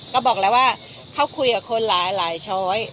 ก็บอกแล้วว่าเขาคุยกับคนหลายช้อย